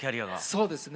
そうですね。